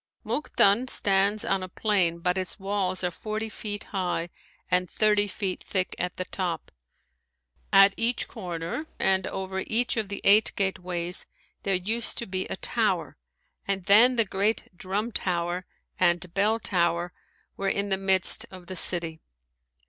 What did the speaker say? Mukden stands on a plain but its walls are forty feet high and thirty feet thick at the top. At each corner, and over each of the eight gateways there used to be a tower, and then the great Drum Tower and Bell Tower were in the midst of the city.